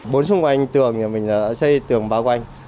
bốn xung quanh tường nhà mình đã xây tường bao quanh